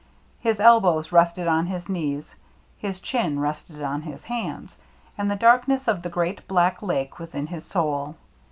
His elbows rested on his knees, his chin rested on his hands, and the darkness of the great black Lake was in his soul.